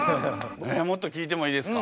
もっと聞いてもいいですか？